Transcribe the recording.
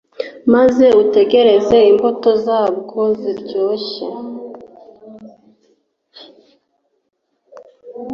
maze utegereze imbuto zabwo ziryoshye